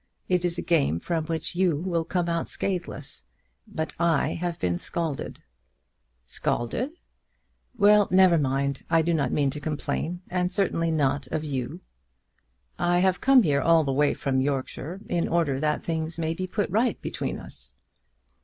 It is a game from which you will come out scatheless, but I have been scalded." "Scalded!" "Well; never mind. I do not mean to complain, and certainly not of you." "I have come here all the way from Yorkshire in order that things may be put right between us."